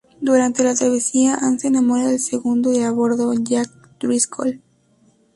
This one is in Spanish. Durante la travesía Ann se enamora del segundo de a bordo, Jack Driscoll.